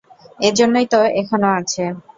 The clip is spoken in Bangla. এজন্যই তো এখনও আছে।